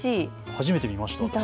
初めて見ました。